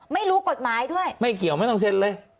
ไม่รู้กฎหมายด้วยไม่เกี่ยวไม่ต้องเซ็นเลย